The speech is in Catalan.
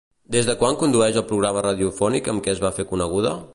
Des de quan condueix el programa radiofònic amb què es va fer coneguda?